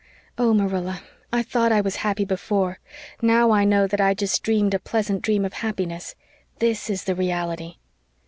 Oh, Marilla, I thought I was happy before. Now I know that I just dreamed a pleasant dream of happiness. THIS is the reality."